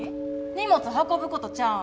荷物運ぶことちゃうん？